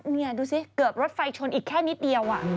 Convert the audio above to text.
นี่ดูสิเกือบรถไฟชนอีกแค่นิดเดียว